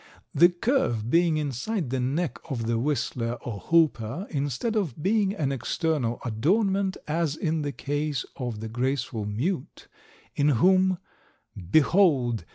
The curve being inside the neck of the Whistler or Hooper, instead of being an external adornment, as in the case of the graceful Mute, in whom 'Behold!